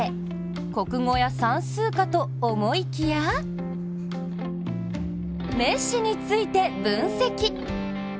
国語や算数かと思いきや、メッシについて分析。